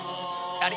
あれ？